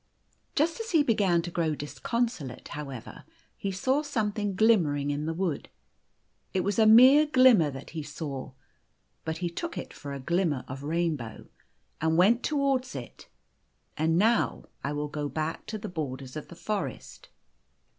Just as he began to grow disconsolate, however, he saw something glimmering in the wood. It was a mere glimmer that he saw, but he took it for a glim The Golden Key 177 mer of rainbow, and went towards it. And now I will 2TO back to tbe borders of the forest.